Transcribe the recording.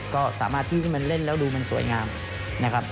ก็สามารถที่มันเล่นแล้วดูมันสวยงามนะครับ